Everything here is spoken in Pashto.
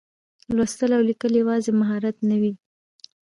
لوستل او لیکل یوازې مهارت نه و.